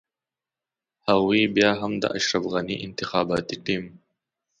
هغوی بيا هم د اشرف غني انتخاباتي ټيم.